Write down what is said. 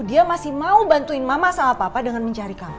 dia masih mau bantuin mama sama papa dengan mencari kamu